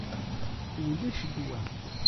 Ulac ddwa.